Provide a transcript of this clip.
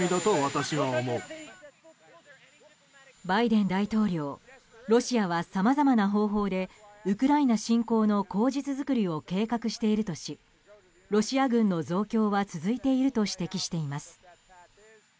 バイデン大統領ロシアは、さまざまな方法でウクライナ侵攻の口実づくりを計画しているとしロシア軍の増強は続いていると指摘しています。